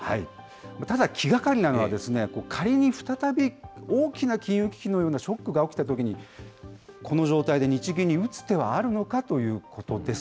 ただ、気がかりなのは、仮に再び大きな金融危機のようなショックが起きたときに、この状態で日銀に打つ手はあるのかということです。